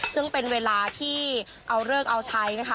ซึ่งเป็นเวลาที่เอาเลิกเอาใช้นะคะ